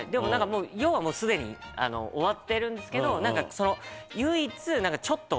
用はもうすでに終わってるんですけど唯一ちょっと。